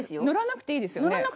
のらなくていいですよね。